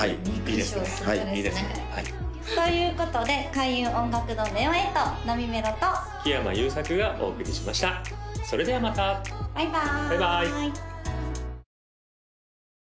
２カ所すごいですねということで開運音楽堂ＮＥＯ８なみめろと木山裕策がお送りしましたそれではまたバイバーイ